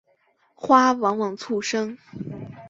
花往往簇生。